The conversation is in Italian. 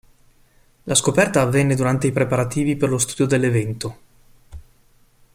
La scoperta avvenne durante i preparativi per lo studio dell'evento.